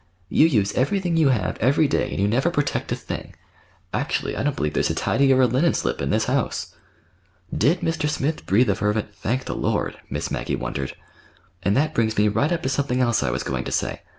You use everything you have every day; and you never protect a thing. Actually, I don't believe there's a tidy or a linen slip in this house." (DID Mr. Smith breathe a fervent "Thank the Lord!" Miss Maggie wondered.) "And that brings me right up to something else I was going to say.